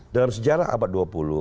dalam sejarah abad dua puluh